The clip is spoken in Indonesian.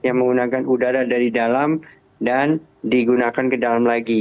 yang menggunakan udara dari dalam dan digunakan ke dalam lagi